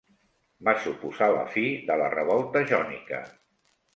Va suposar la fi de la revolta jònica.